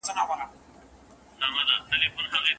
ټولنپوهان تل نوې څېړنې ترسره کوي.